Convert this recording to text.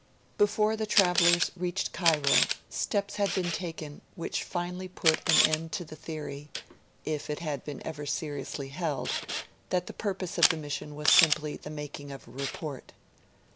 Before the travellers reached Cairo, steps had been taken which finally put an end to the theory if it had ever been seriously held that the purpose of the mission was simply the making of a report.